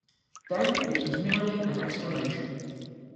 Then it was merely an exclamation.